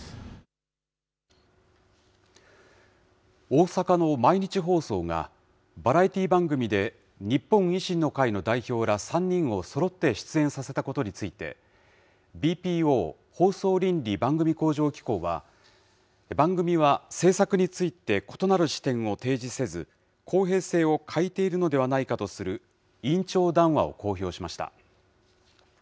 大阪の毎日放送が、バラエティー番組で、日本維新の会の代表ら、３人をそろって出演させたことについて、ＢＰＯ・放送倫理・番組向上機構は、番組は政策について異なる視点を提示せず、公平性を欠いているのではないかとする委員長談話を公表しました。